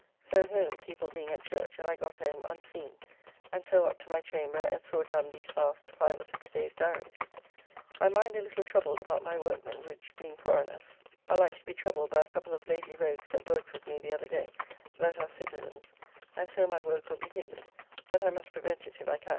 So home, people being at church, and I got home unseen, and so up to my chamber and saw done these last five or six days' diarys. My mind a little troubled about my workmen, which, being foreigners, [Foreigners were workmen dwelling outside the city.] are like to be troubled by a couple of lazy rogues that worked with me the other day, that are citizens, and so my work will be hindered, but I must prevent it if I can.